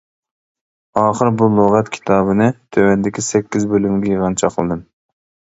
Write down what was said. ئاخىر بۇ لۇغەت كىتابىنى تۆۋەندىكى سەككىز بۆلۈمگە يىغىنچاقلىدىم.